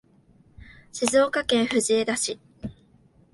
静岡県藤枝市